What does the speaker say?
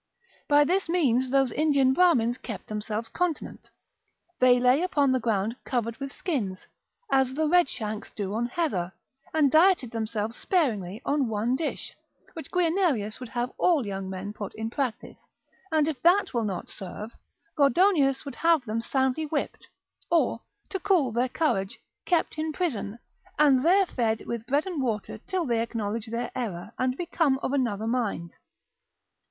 By this means those Indian Brahmins kept themselves continent: they lay upon the ground covered with skins, as the red shanks do on heather, and dieted themselves sparingly on one dish, which Guianerius would have all young men put in practice, and if that will not serve, Gordonius would have them soundly whipped, or, to cool their courage, kept in prison, and there fed with bread and water till they acknowledge their error, and become of another mind.